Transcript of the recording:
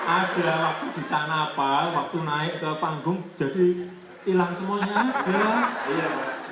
ada waktu di sana pak waktu naik ke panggung jadi hilang semuanya